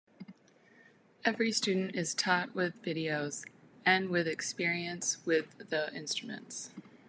Every student is taught with videos, and with experience with the instruments.